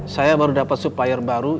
saya baru dapat supplier baru